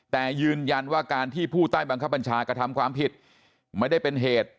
แต่ยืนยันว่าการที่ผู้ใต้บังคับบัญชากระทำความผิดไม่ได้เป็นเหตุ